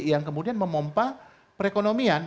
yang kemudian memompah perekonomian